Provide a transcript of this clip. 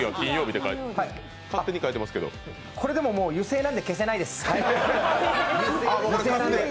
これでも油性なんで消せないです。